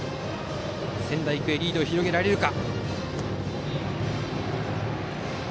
仙台育英、リードを広げられるか。